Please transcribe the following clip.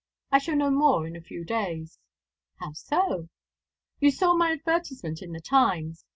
I shall know more in a few days." "How so?" "You saw my advertisement in the Times.